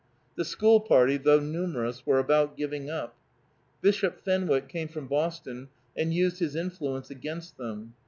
The school party, though numerous, were about giving up. Bishop Fenwick came from Boston and used his influence against them.